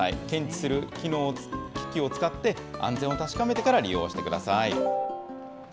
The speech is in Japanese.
検知する機器を使って、安全を確かめてから利用してください。